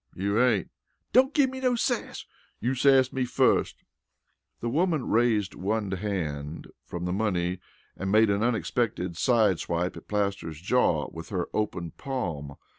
"You ain't." "Don't gimme no sass." "You sassed me fust." The woman raised one hand from the money and made an unexpected sideswipe at Plaster's jaw with her open palm.